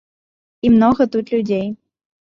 І многа тут людзей.